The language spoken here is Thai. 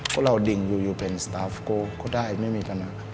ก็เราดิ่งอยู่อยู่เป็นสตาฟก็ได้ไม่มีปัญหา